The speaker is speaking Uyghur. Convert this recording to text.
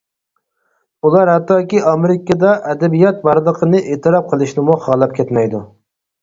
ئۇلار ھەتتاكى ئامېرىكىدا ئەدەبىيات بارلىقىنى ئېتىراپ قىلىشنىمۇ خالاپ كەتمەيدۇ.